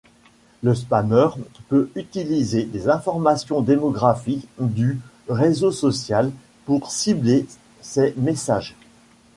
Le spammeur peut utiliser les informations démographiques du réseau social pour cibler ces messages.